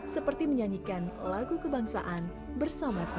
seperti menyanyikan lagu kebangsaan bersama sama